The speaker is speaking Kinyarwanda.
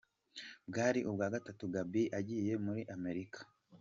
Bwari ubwa gatatu Gaby agiye muri Amerika